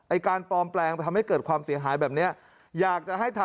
ไอ้การปลอมแปลงทำให้เกิดความเสียหายแบบนี้